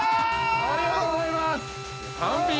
◆ありがとうございます。